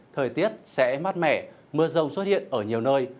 thời tiết sẽ mát mẻ mưa rồng xuất hiện ở nhiều nơi